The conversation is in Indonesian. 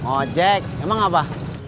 oh jack emang apa